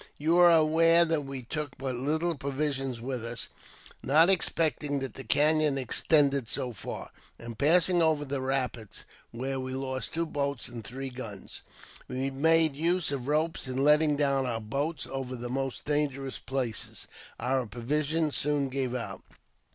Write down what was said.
You are aware that we took but little provision with us, not ex pecting that the canon extended so far. In passing over the rapids, where we lost two boats and three guns, we made use of ropes in letting down our boats over the most dangerous places. Our provisions soon gave out.